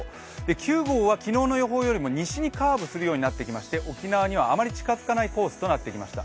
９号は昨日の予報よりも西にカーブするようになってきていまして沖縄にはあまり近づかないコースとなってきました。